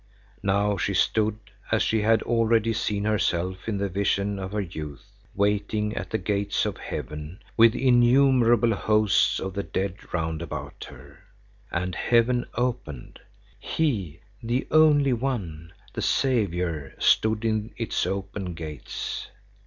Now she stood, as she had already seen herself in the visions of her youth, waiting at the gates of heaven with innumerable hosts of the dead round about her. And heaven opened. He, the only one, the Saviour, stood in its open gates.